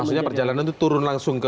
maksudnya perjalanan itu turun langsung ke